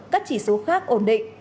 các chỉ số khác ổn định